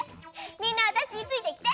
みんなわたしについてきて。